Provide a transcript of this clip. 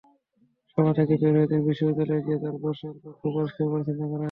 সভা থেকে বের হয়ে তিনি বিশ্ববিদ্যালয়ে গিয়ে তাঁর বসার কক্ষ পরিষ্কার-পরিচ্ছন্ন করেন।